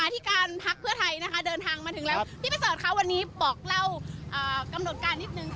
เดินทางมาถึงแล้วพี่พระเศรษฐ์คะวันนี้บอกเรากำหนดการนิดหนึ่ง